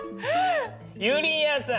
ゆりやんさん